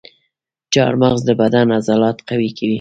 چارمغز د بدن عضلات قوي کوي.